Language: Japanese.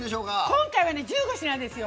今回はね、１５品ですよ。